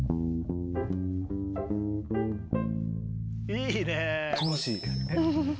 いいね。